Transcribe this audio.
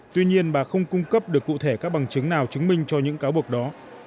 tuy nhiên bà không cung cấp được cụ thể các bằng chứng nào chứng minh cho những cáo buộc đó